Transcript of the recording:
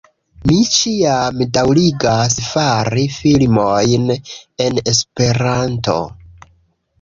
Mi ĉiam daŭrigas fari filmojn en Esperanto